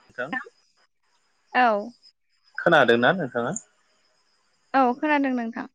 [unintelligible] औ। खोनादोंना नोंथाङा? औ खोनादों नोंथां।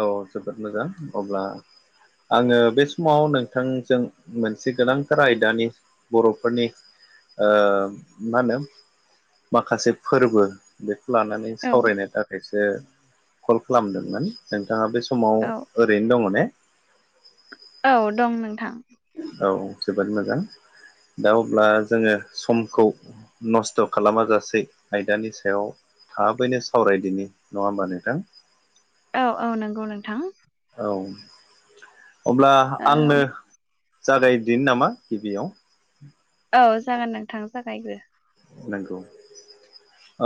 औ जोबोद मोजां अब्ला आङो बे समाव नोंथांजों मोनसे गोनांथार आयदानि बर'फोरनि ओ मा होनो माखासे फोरबो बेखौ लानानै औ सावरायनो थाखायसो कल खालामदोंमोन नोंथाङा बे औ समाव ओरैनो दङ ने? औ दं नोंथां। औ जोबोद मोजां दा अब्ला जोङो समखौ नस्थ' खालामाजासे आयदानि सायाव थाबैनो सावरायदिनि नङा होमबा नोंथां? औ औ नंगौ नोंथां। औ अब्ला ओ आंनो जागायदिनि नामा गिबियाव। औ जागोन नोंथां जागायग्रो। नंगौ।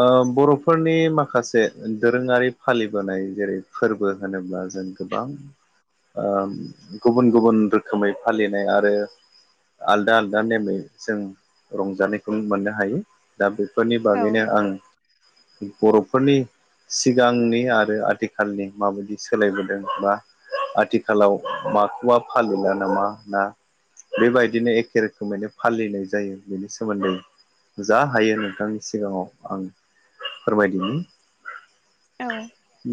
ओ बर'फोरनि माखासे दोरोङारि फालिबोनाय जेरै फोरबो होनोब्ला जों गोबां ओ गुबुन गुबुन रोखोमै फालिनाय आरो आलदा आलदा नेमै जों रंजानायखौ मोननो हायो दा बेफोरनि औ बागैनो आं बर'फोरनि सिगांनि आरो आथिखालनि माबायदि सोलायबोदों बा आथिखालाव माखौबा फालिला नामा ना बेबायदिनो एखे रोखोमैनो फालिनाय जायो बेनि सोमोन्दै जा हायो नोंथांनि सिगाङाव आं फोरमायदिनि औ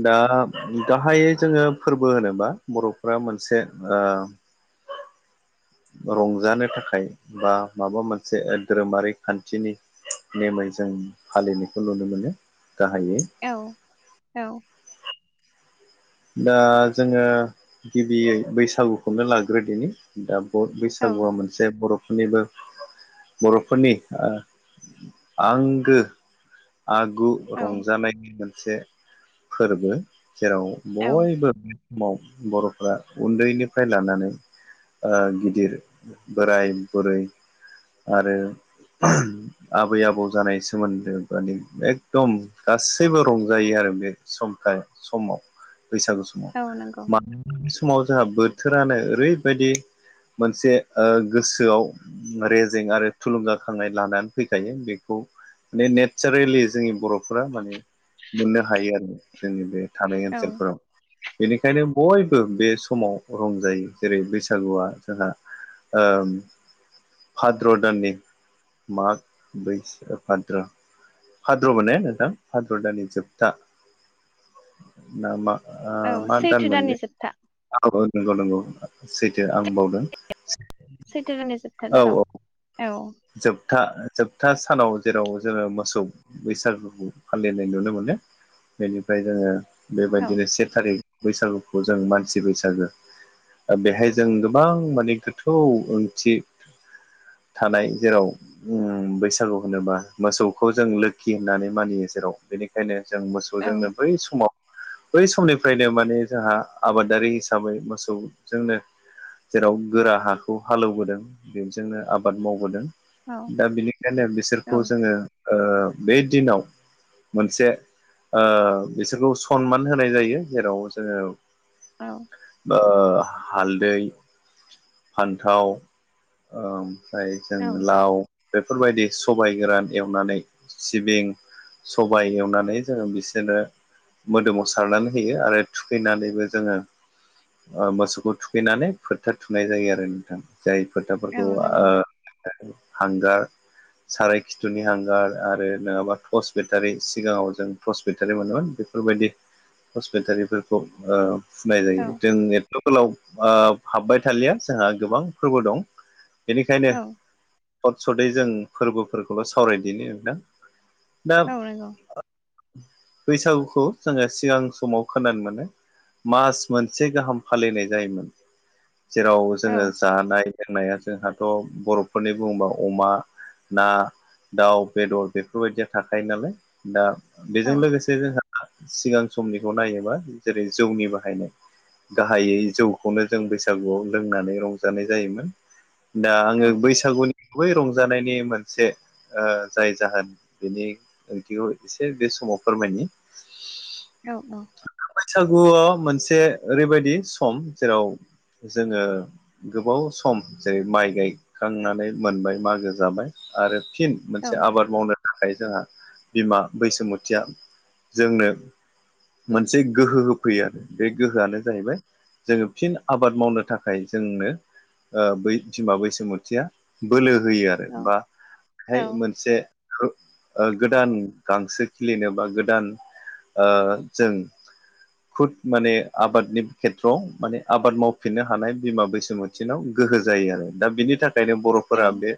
दा गाहायै जोङो फोरबो होनोबा बर'फोरा मोनसे‌ ओ रंजानो थाखाय बा माबा मोनसे धोरोमारि खान्थिनि नेमै जों फालिनायखौ नुनो मोनो गाहायै औ औ दा जोङो गिबियै बैसागुखौनो लाग्रोदिनि दा औ बैसागुआ मोनसे बर'फोरनिबो बर'फोरनि ओ आंगो आगु औ रंजानायनि मोनसे फोरबो जेराव औ बयबो समाव बर'फ्रा उन्दैनिफ्राय लानानै ओ गिदिर बोराय बुरै आरो [unintelligible] आबै आबौ जानाय सोमोन्दो मानि एगदम गासैबो रंजायो आरो बे समथाय समाव बैसागो समाव औ नंगौ बे समाव जोंहा बोथोरानो ओरैबायदि मोनसे ओ गोसोआव रेजें आरो थुलुंगाखांनाय लानानै फैखायो बेखौ माने नेचारेलि जोंनि बर'फोरा माने मोननो हायो आरो जोंनि बे थानाय औ ओनसोलफोराव बेनिखायनो बयबो बे समाव रंजायो जेरै बैसागुआ जोंहा ओ भाद्र' दाननि माग बैसो भाद्र' भाद्र' मोन ने नोंथां भाद्र दानि जोबथा ना मा औ मा सैथो दानमोन बे दाननि जोबथा औ नंगौ नंगौ सैथो आं बावदों सैथो दाननि जोबथा औ औ दानाव औ जोबथा जोबथा सानाव जेराव जोङो मोसौ बैसागुखौ फालिनाय नुनो मोनो बेनिफ्राय जोङो औ बेबायदिनो से थारिख बैसागुखौ जों मान सि बैसागो ओ बेहाय जों गोबां माने गोथौ ओंथि थानाय जेराव उम बैसागु होनोबा मोसौखौ जों लोखि होननानै मानियो जेराव बेनि खायनो जों औ मोसौजोंनो बै समाव बै समनिफ्रायनो माने जोंहा आबा दारि हिसाबै मोसौजोंनो जेराव गोरा हाखौ हालौवबोदों बेजोंनो आबाद मावबोदों औ दा बिनिखायनो बिसोरखौ औ जोङो ओ बे दिनाव मोनसे ओ बिसोरखौ सनमान होनाय जायो जेराव जोङो औ ओ हालदै फान्थाव ओम फ्राय जों औ लाव बेफोरबायदि सबाय गोरान एवनानै सिबिं सबाय एवनानै जोङो बिसोरनो मोदोमाव सारनानै होयो आरो थुखैनानैबो जोङो। ओ मोसौखौ थुखैनानै फोथा थुनाय जायो आरो नोंथां जाय औ फोथाफोरखौ ओ नंगौ हांगार साराय खिथुनि हांगार आरो नङाबा टर्स बेटारि सिगाङाव जों टर्स बेटारि मोनोमोन बेफोरबायदि टर्स बेटारिफोरखौ ओ होननाय जायो औ जों एथ' गोलाव ओ हाबबाय थालिया जोंहा गोबां फोरबो दं। बेनिखायनो औ सर्त सर्तयै जों फोरबोफोरखौल' सावरायदोनि नोंथां। दा औ नंगौ बैसागुखौ जोङो सिगां समाव खोनानो मोनो। मास मोनसे गाहाम फालिनाय जायोमोन जेराव औ जोङो जानाय। एनाया जोंहाथ' बर'फोरनि बुङोबा अमा ना दाउ बेदर बेफोरबायदिया थाखायो नालाय। दा औ बेजों लोगोसे जोंहा सिगां समनिखौ नायोबा जेरै जौनि बाहायनाय। गाहायै जौखौनो जों बैसागुआव लोंनानै रंजानाय जायोमोन। दा औ आङो औ बैसागुनि गुबै रंजानायनि मोनसे। ओ जाय जाहोन बेनि ओंथिखौ एसे बे समाव फोरमायनि। औऔ। सागुआ मोनसे ओरैबायदि सम जेराव जोङो। गोबाव सम जेरै माइ गायखांनानै मोनबाय मागो जाबाय आरो फिन औ मोनसे आबाद मावनो। थाखाय जोंहा बिमा बैसुमुथिया जोंनो मोनसे गोहो होफैयो आरो बे गोहोआनो जाहैबाय जोङो फिन आबाद मावनो थाखाय जोंनो। ओ बै बिमा बैसुमथिया बोलो होयो आरो औ बा हाय मोनसे ओ गोदान गांसो खिलिनो बा गोदान ओ जों। खुद माने आबादनि खेथ्रआव माने आबाद मावफिननो हानाय बिमा बैसुमुत। तिनाव गोहो जायो आरो दा बिनि थाखायनो बर'फोरा बे।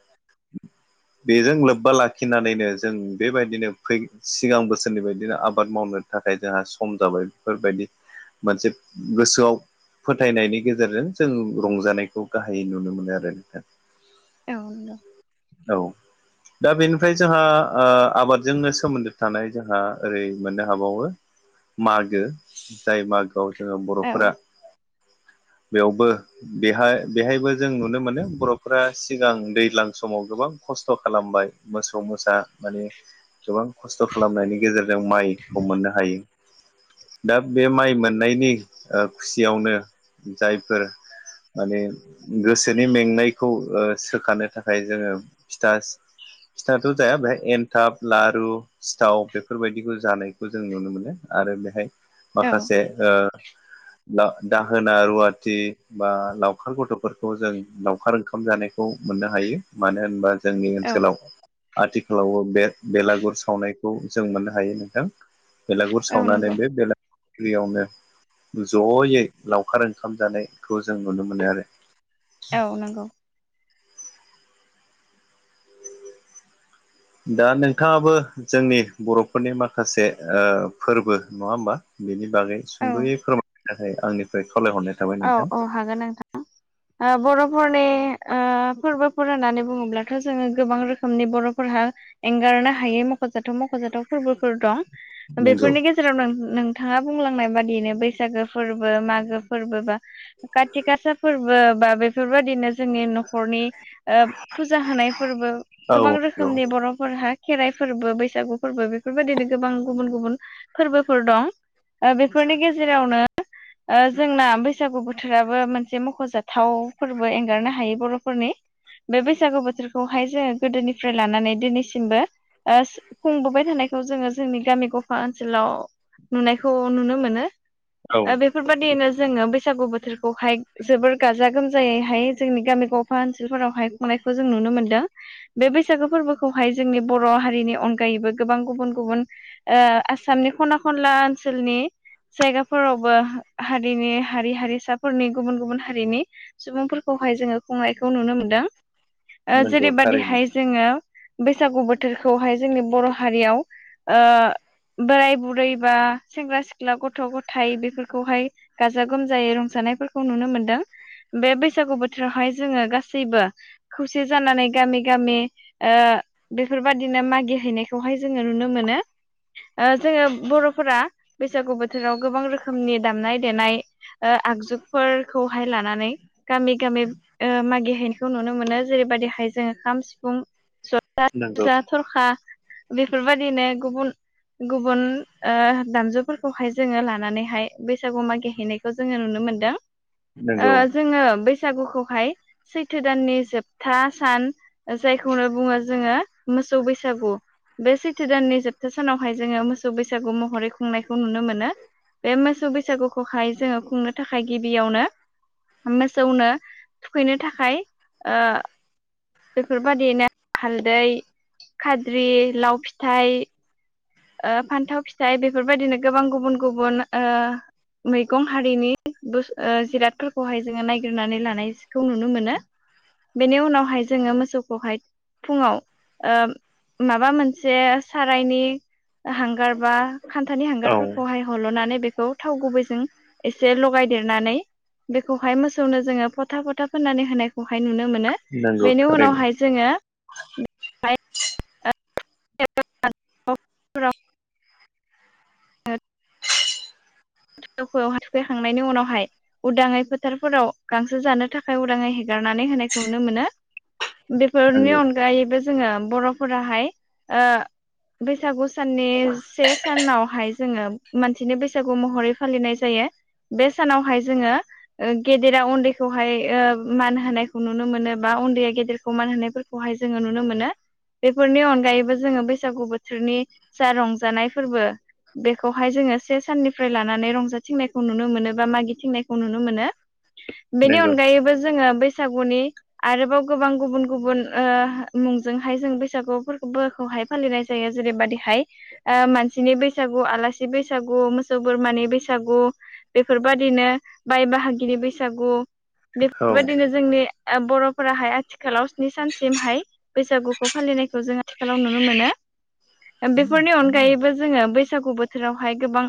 बेजों लोब्बा लाखिनानैनो जों बेबायदिनो फै सिगां बोसोरनि बायदिनो आबाद मावनो। थाखाय जोंहा सम जाबाय बेफोरबायदि मोनसे गोसोआव फोथायनायनि गेजेरजों जों रंजानायखौ गाहायै नुनो मोनो आरो नोंथां। औ दा बेनिफ्राय जोंहा ओ। आबादजोंनो सोमोन्दो थानाय जोंहा ओरै मोननो हाबावो। मागो जाय मागोआव जोङो बर'फोरा बेवबो बेहा बेहायबो जों नुनो मोनो बर'फोरा सिगां दैज्लां समाव गोबां खस्थ' खालामबाय मोसौ मोसा माने गोबां खस्थ' खालामनायनि गेजेरजों माइखौ मोननो हायो। दा बे माइ मोननायनि खुसियावनो जायफोर माने गोसोनि मेंनायखौ सोखानो थाखाय जोंङो फिथा फिथाथ' जाया बेहाय एनथाब लारु सिथाव बेफोरबायदिखौ जानायखौ जों नुनो मोनो। आरो बेहाय माखासे दाहोना रुवाथि बा लावखार गथ'फोरखौ जों लावखार ओंखाम जानायखौ मोननो मानो होनबा जोंनि औ ओनसोलाव आथिखालावबो बे बेलागुर सावनायखौ जों मोननो हायो नोंथां बेलागुर औ सावनानै नंगौ बे बेला फ्रियावनो जयै लावखार ओंखाम जानायखौ जों नुनो मोनो आरो। औ नंगौ। दा नोंथाङाबो जोंनि बर'फोरनि माखासे ओ फोरबो नङा होमबा बेनि बागै औ सुंद'यै फोरमायनो थाखाय आंनिफ्राय खावलाय हरनाय औ औ हागोन नोंथां। ओ बर'फोरनि ओ फोरबोफोर होननानै बुङोब्लाथ' जोङो गोबां रोखोमनि बर'फोरहा एंगारनो हायै मख'जाथाव मख'जाथाव फोरबोफोर दं। नंगौ बेफोरनि गेजेराव नो-नोंथाङा बुंलांनाय बादियैनो बैसागो फोरबो मागो फोरबो बा खाथि गासा फोरबो बा बेफोरबायदिनो जोंनि न'खरनि ओ फुजा होनाय फोरबो गोबां औ नंगौ रोखोमनि बर'फोरहा खेराइ फोरबो बैसागु फोरबो बेफोरबायदिनो गोबां गुबुन गुबुन फोरबोफोर दं। ओ बेफोरनि गेजेरावनो ओ जोंनाबो बैसागु बोथोराबो मोनसे मख'जाथाव फोरबो एंगारनो हायै बर'फोरनि बे बै सागु बोथोरखौहाय जोङो गोदोनिफ्राय लानानै दिनैसिमबो ओ सो खुंबोबाय थानायखौ जोङो जोंनि गामि गफा ओनसोलाव नुनायखौ नुनो मोनो। औ ओ बेफोर बादियैनो जोङो बैसागु बोथोरखौहाय जोबोर गाजा गोमजायैहाय जोंनि गामि गावफा ओनसोलफोरावहाय खुंनाय खौ जों नुनो मोनदों। बे बैसागो फोरबोखौहाय जोंनि बर' हारिनि अनगायैबो गोबां गुबुन गुबुन ओ आसामनि खना खनला ओनसोलनि जायगाफोरावबो हा हा रिनि हारि हारि सा फोरनि गुबुन गुबुन हारिनि सुबुंफोरखौहाय जोङो खुंनायखौ नुनो मोनदों। ओ नंगौ थारैनो जेरैबायदिहाय जोङो बैसागु बोथोरखौहाय जोंनि बर' हारियाव ओ बोराय बुरै बा सेंग्रा सिख्ला गथ' गथाय बेफोरखौहाय गाजा गोमजायै रंजानायफोरखौ नुनो मोनदों। बे बैसागु बोथोरावहाय जोङो गासैबो खौसे जानानै गामि गामि ओ बेफोर बादिनो मागिहैनायखौहाय जोङो नुनो मोनो। ओ जोङो बर'फोरा बैसागु बोथोराव गोबां रोखोमनि दामनाय देनाय ओ आगजुफोरखौहाय लानानै गामि गामि ओ मागिहैनायखौ नुनो मोनो जेरैबायदि हाय जों खाम, सिफुं नोंगौ ना थ'रखा बेफोरबायदिनो गुबुन गुबुन ओ दामजुफोरखौहाय जोङो लानानैहाय बैस सागु मागिहैनायखौ जोङो नुनो मोनदों। ओ नंगौ जोङो बैसागुखौहाय सैथो दाननि जोबथा सान ओ जायखौनो बुङो जोङो मोसौ बैसागु बे सैथो दाननि जोबथा सानावहाय जोङो मोसौ बैसागु महरै खुंनायखौ नुनो मोनो। बे मोसौ बैसागुखौहाय जोङो खुंनो थाखाय गिबियावनो मोसौनो थुखैनो थाखाय ओ बेफोरबायदिनो हालदै, खाद्रि, लाव फिथाइ। ओ फान्थाव फिथाइ बेफोरबायदिनो गोबां गुबुन गुबुन ओ मैगं हारिनि बोस ओ जिरादफोरखौहाय जोङो नायगिरनानै लानायखौ नुनो मोनो। बेनि उनावहाय जोङो मोसौखौहाय फुङाव माबा ओ मोनसे सारायनि हांगार बा खान्थानि औ हांगारफोरखौहाय हलनानै बेखौ थावगुबैजों एसे लगायदेरनानै बेखौहाय मोसौनो जोङो फोथा फोथा फुननानै होनायखौहाय नुनो मोनो। नंगौ बेनि थारैनो उनावहाय जोङो [inaudible] [inaudible] मोसौखौ थुखैखांनायनि उनावहाय उदाङै फोथारफोराव गांसो जानो थाखाय उदाङै हेगारनानै होनायखौ नुनो मोनो। बेफोरनि नंगौ अनगायैबो जोङो बर'फोराहाय ओ बैसागु साननि से सानावहाय जोङो मानसिनि बैसागु महरै फालिनाय जायो। बे सानावहाय जोङो गेदेरा उन्दैखौहाय ओ मान होनायखौ नुनो मोनो बा उन्दैया गेदेरखौ मान होनायफोर हाय जोङो नुनो मोनो बेफोरनि अनगायैबो जोङो बैसागु बोथोरनि जा रंजानाय फोरबो बेखौहाय जोङो से साननिफ्राय लानानै रंजाथिंनायखौ नुनो मोनो बा मागिथिंनायखौ नुनो मोनो। [inaudible] बेनि अनगायैबो जोङो बै बैसागुनि आरोबाव गोबां गुबुन गुबुन ओ मुंजोंहाय जों बैसागुफोरखौबो खौहाय फालिनाय जायो जेरैबादिहाय ओ मानसिनि बैसागु आलासि बैसागु मोसौ बोरमानि बैसागु बेफोरबादिनो बाय बाहागि बैसागु औ बेफोरबायदिनो जोंनि बर'फोराहाय आथिखालाव स्नि सानसिमहाय बैसागुखौ फालिनायखौ जोंङो आथिलाव नुनो मोनो बेफोरनि अनगायैबो जोङो बैसागु बोथोरावहाय गोबां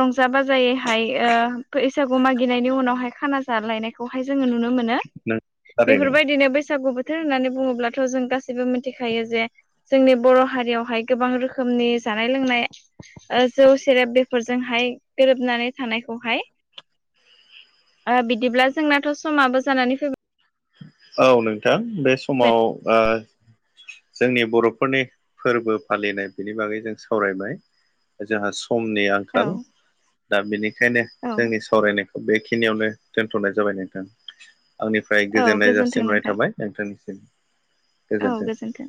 रंजा बाजायैहाय ओ बैसागु मागिनायनि उनावहाय खाना जालायनायखौहाय जोङो नुनो मोनो। [inaudible] बेफोरबायदिनो बैसागु बोथोर होननानै बुङोब्लाथ' जों गासैबो मिथिखायो जे जोंनि बर' हारियावहाय गोबां रोखोमनि जानाय लोंनाय ओ जौ सेरेब बेफोरजोंहाय गोरोबनानै थानायखौहाय ओ बिदिब्ला जोंनाथ' समाबो जानानै फै औ नोंथां बे समाव ओ जोंनि बर'फोरनि फोरबो फालिनाय बिनि बागै जों सावरायबाय जोंहा समनि फैबाय औ आंखाल दा बेनिखायनो औ जोंनि सावरायनायखौ बेखिनियावनो दोनथ'नाय जाबाय नोंथां। आंनिफ्राय औ गोजोननाय गोजोन्थों जासिहरनाय नोंथां थाबाय। नोंथांनिसिम। औ गोजोन्थों।